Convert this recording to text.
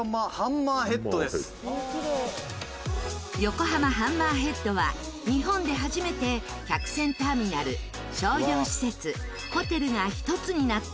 横浜ハンマーヘッドは日本で初めて客船ターミナル商業施設ホテルが一つになった複合施設。